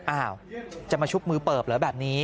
อ้าวจะมาชุบมือเปิบเหรอแบบนี้